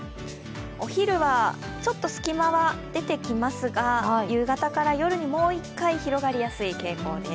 お昼はちょっと隙間は出てきますが、夕方から夜にもう一回広がりやすい傾向です。